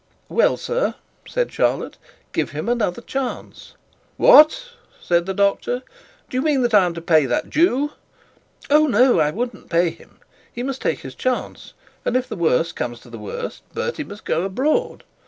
'Well, sir,' said Charlotte, 'give him another chance.' 'What!' said the doctor, 'do you mean that I am to pay that Jew?' 'Oh, no! I wouldn't pay him, he must take his chance; and if the worst comes to the worst, Bertie must go abroad.